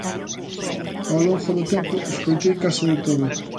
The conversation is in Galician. Ao longo do tempo escoitei case de todo.